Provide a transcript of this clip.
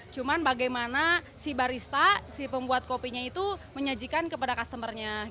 cuman bagaimana si barista si pembuat kopinya itu menyajikan kepada customer nya